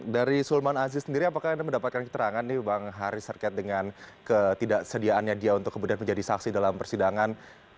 dari sulman aziz sendiri apakah anda mendapatkan keterangan nih bang haris terkait dengan ketidaksediaannya dia untuk kemudian menjadi saksi dalam persidangan